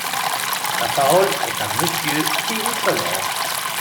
La parole est à Monsieur Thierry Solère.